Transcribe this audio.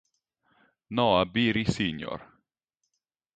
Noah Beery Sr.